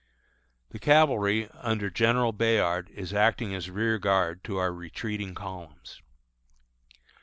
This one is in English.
The cavalry under General Bayard is acting as rear guard to our retreating columns.